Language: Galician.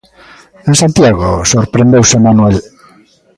_En Santiago? _sorprendeuse Manuel.